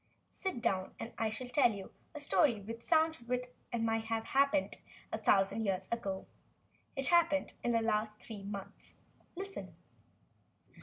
Sit down and I will tell you a story which sounds as though it might have happened a thousand years ago. It happened within the last three months. Listen."